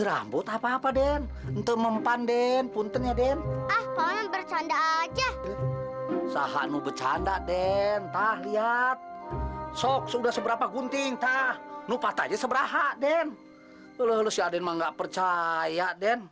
sampai jumpa di video selanjutnya